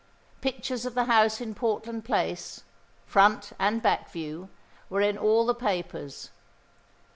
Pictures of the house in Portland Place, front and back view, were in all the papers.